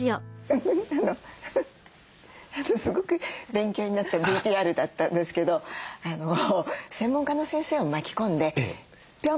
すごく勉強になったＶＴＲだったんですけど専門家の先生を巻き込んでピョンとかですね。